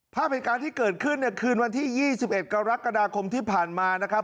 ภาพเหตุการณ์ที่เกิดขึ้นเนี่ยคืนวันที่๒๑กรกฎาคมที่ผ่านมานะครับ